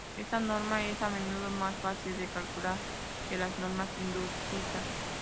Esta norma es a menudo más fácil de calcular que las normas inducidas.